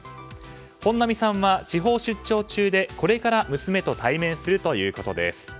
本並さんは地方出張中でこれから娘と対面するということです。